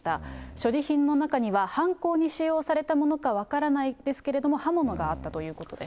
所持品の中には犯行に使用されたものか分からないですけれども、刃物があったということです。